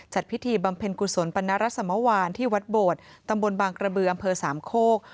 พิธีบำเพ็ญกุศลปรณรสมวานที่วัดโบดตำบลบางกระบืออำเภอสามโคก